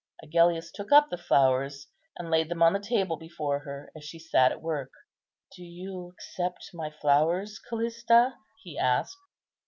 Agellius took up the flowers, and laid them on the table before her, as she sat at work. "Do you accept my flowers, Callista?" he asked.